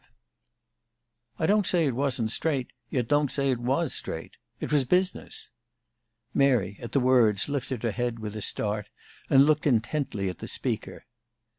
V "I don't say it wasn't straight, yet don't say it was straight. It was business." Mary, at the words, lifted her head with a start, and looked intently at the speaker.